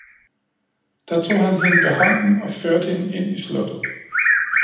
Da tog han hende ved hånden og førte hende ind i slottet.